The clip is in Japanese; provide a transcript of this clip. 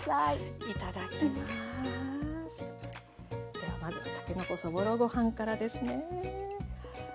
ではまずたけのこそぼろご飯からですね。